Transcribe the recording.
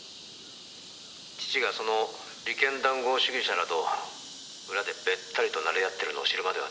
「父がその利権談合主義者らと裏でべったりと馴れ合ってるのを知るまではね」